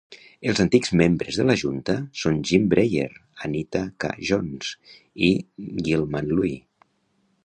Els antics membres de la junta són Jim Breyer, Anita K. Jones i Gilman Louie.